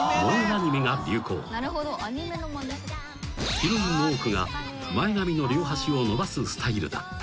［ヒロインの多くが前髪の両端を伸ばすスタイルだった］